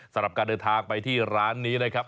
สำหรับการเดินทางไปที่ร้านนี้นะครับ